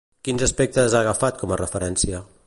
Quins aspectes ha agafat com a referència?